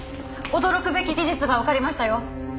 驚くべき事実がわかりましたよ。